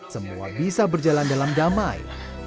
semua bisa berjalan dalam damai